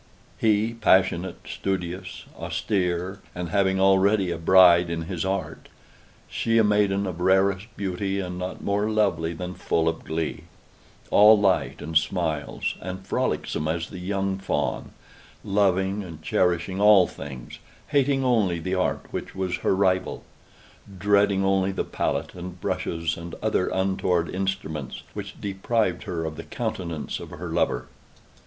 He, passionate, studious, austere, and having already a bride in his Art; she a maiden of rarest beauty, and not more lovely than full of glee; all light and smiles, and frolicsome as the young fawn; loving and cherishing all things; hating only the Art which was her rival; dreading only the pallet and brushes and other untoward instruments which deprived her of the countenance of her lover.